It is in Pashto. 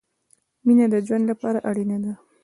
مينه د ژوند له پاره اړينه ده